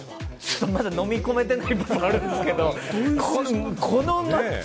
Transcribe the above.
まだのみ込めてない部分あるんですけれども、このマッチョ